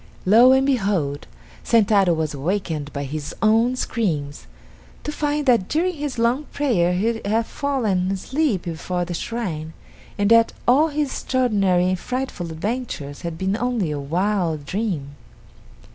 Lo, and behold, Sentaro was awakened by his own screams, to find that during his long prayer he had fallen asleep before the shrine, and that all his extraordinary and frightful adventures had been only a wild dream.